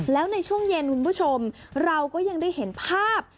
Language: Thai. แล้วในช่วงเย็นคุณผู้ชมเราก็ยังได้เห็นภาพ